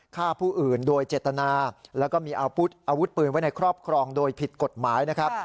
ฆ่าผู้อื่นโดยเจตนาแล้วก็มีอาวุธปืนไว้ในครอบครองโดยผิดกฎหมายนะครับ